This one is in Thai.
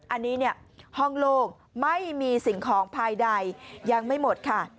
อันนี้เนี่ยห้องโล่งไม่มีสิ่งของภายใดยังไม่หมดค่ะ